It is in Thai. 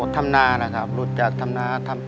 ดังนั้นเขาก็ทำนาค่ะ